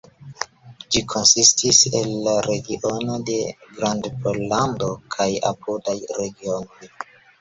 Ĝi konsistis el la regiono de Grandpollando kaj apudaj regionoj.